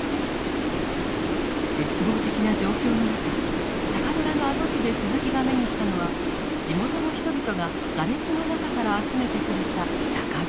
絶望的な状況の中酒蔵の跡地で鈴木が目にしたのは地元の人々ががれきの中から集めてくれた酒瓶。